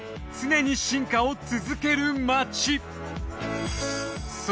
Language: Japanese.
常に進化を続ける街。